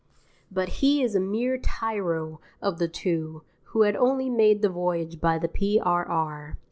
But he is a mere tyro of the two who has only made the voyage by the P.R.R.